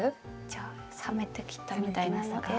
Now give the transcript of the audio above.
じゃあ冷めてきたみたいなので。